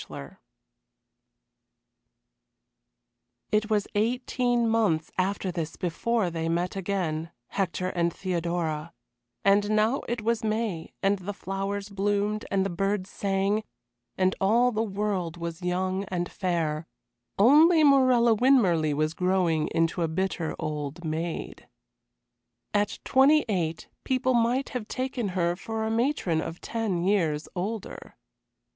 XXXI It was eighteen months after this before they met again Hector and Theodora; and now it was May, and the flowers bloomed and the birds sang, and all the world was young and fair only Morella Winmarleigh was growing into a bitter old maid. At twenty eight people might have taken her for a matron of ten years older.